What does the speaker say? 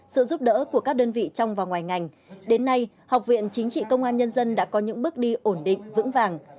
sự giúp đỡ của các đơn vị trong và ngoài ngành đến nay học viện chính trị công an nhân dân đã có những bước đi ổn định vững vàng